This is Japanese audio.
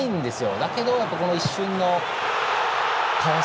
だけど、この一瞬のかわし。